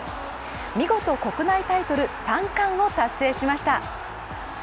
見事、国内タイトル３冠を達成しました。